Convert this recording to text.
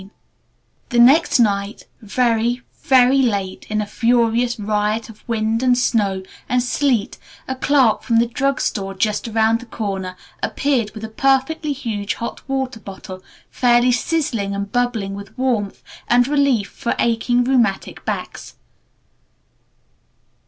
IV The next night, very, very late, in a furious riot of wind and snow and sleet, a clerk from the drug store just around the corner appeared with a perfectly huge hot water bottle fairly sizzling and bubbling with warmth and relief for aching rheumatic backs.